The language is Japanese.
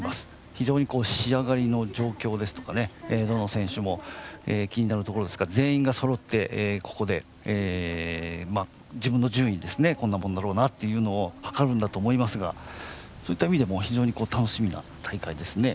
非常に仕上がりの状況ですとかどの選手も気になるところですが全員がそろってここで自分の順位こんなもんだろうなっていうのをはかるんだと思いますがそういった意味でも非常に楽しみな大会ですね。